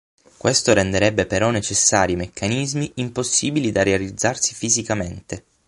Questo renderebbe però necessari meccanismi impossibili da realizzarsi fisicamente.